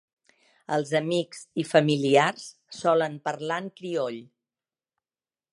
Els amics i familiars solen parlar en crioll.